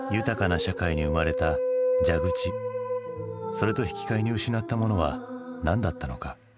それと引き換えに失ったものは何だったのか？